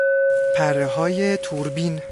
پرههای توربین